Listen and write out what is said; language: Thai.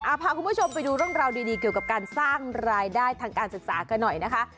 พาคุณผู้ชมไปดูเรื่องราวดีเกี่ยวกับการสร้างรายได้ทางการศึกษากันหน่อยนะคะ